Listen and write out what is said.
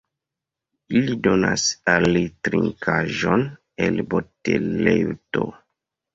Ili donas al li trinkaĵon el boteleto.